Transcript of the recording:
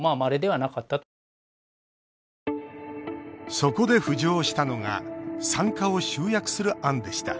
そこで浮上したのが産科を集約する案でした。